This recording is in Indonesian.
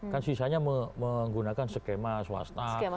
kan sisanya menggunakan skema swasta